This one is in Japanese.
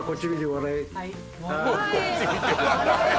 笑え？